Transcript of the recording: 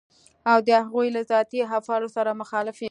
او د هغوی له ذاتي افعالو سره مخالف يم.